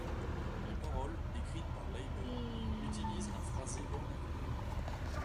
Les paroles, écrites par Leiber, utilisent une phrasé vernaculaire.